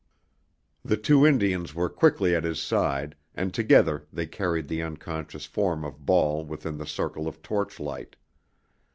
The two Indians were quickly at his side, and together they carried the unconscious form of Ball within the circle of torch light.